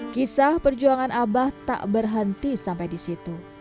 kisah perjuangan abah tak berhenti sampai di situ